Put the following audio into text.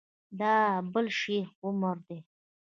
دا بل شیخ عمر دی.